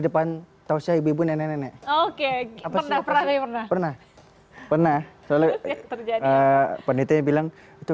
depan tausaya ibu nenek nenek oke pernah pernah pernah pernah soalnya terjadi pendeta bilang itu